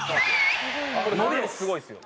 「これ伸びもすごいですよ」